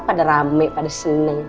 pada rame pada seneng